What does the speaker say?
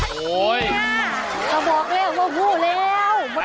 มิชุนา